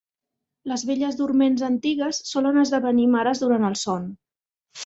Les belles dorments antigues solen esdevenir mares durant el son.